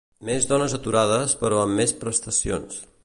Més dones aturades però amb més prestacions.